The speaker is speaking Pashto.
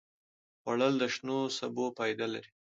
خوړل د شنو سبو فایده لري